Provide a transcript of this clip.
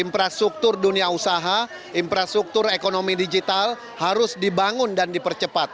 infrastruktur dunia usaha infrastruktur ekonomi digital harus dibangun dan dipercepat